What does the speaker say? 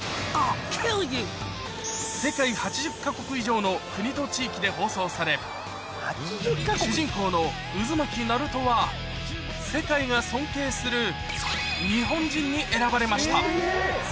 世界８０か国以上の国と地域で放送され、主人公のうずまきナルトは、世界が尊敬する日本人に選ばれました。